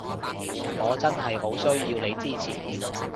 我真係好需要你支持